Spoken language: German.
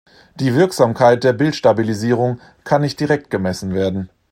Die Wirksamkeit der Bildstabilisierung kann nicht direkt gemessen werden.